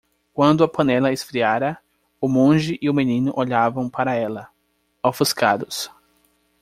Quando a panela esfriara?, o monge e o menino olhavam para ela,? ofuscados.